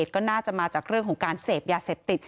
ก็น่าจะมาจากเรื่องของการเสพยาเสพติด